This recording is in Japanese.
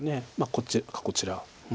こっちかこちら。